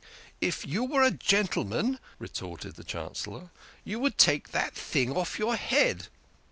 " If you were a gentleman," retorted the Chancellor, " you would take that thing off your head."